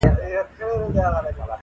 محفل دي خوږدی می که تر خه دي -